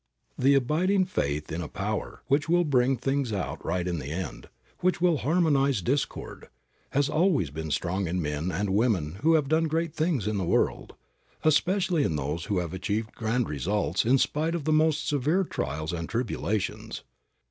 The abiding faith in a Power which will bring things out right in the end, which will harmonize discord, has always been strong in men and women who have done great things in the world, especially in those who have achieved grand results in spite of the most severe trials and tribulations.